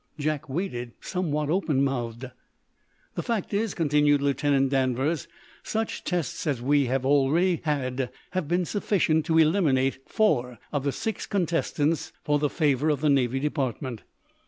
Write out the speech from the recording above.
Jack waited, somewhat open mouthed. "The fact is," continued Lieutenant Danvers, "such tests as we have already had have been sufficient to eliminate four of the six contestants for the favor of the Navy Department.